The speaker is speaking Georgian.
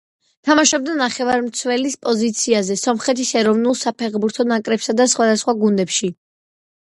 თამაშობდა ნახევარმცველის პოზიციაზე სომხეთის ეროვნულ საფეხბურთო ნაკრებსა და სხვადასხვა გუნდებში.